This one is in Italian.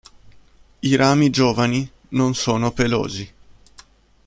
I rami giovani non sono pelosi.